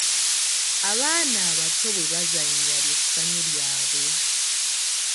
Abaana abato bwe bazannya lye ssanyu lyabwe.